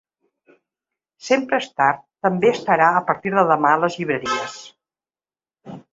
Sempre és tard també estarà a partir de demà a les llibreries.